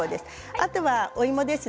あとは、お芋です。